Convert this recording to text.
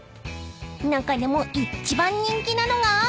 ［中でも一番人気なのが］